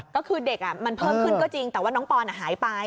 ก็คือเด็กมันเพิ่มขึ้นก็จริงแต่ว่าน้องปอนหายไป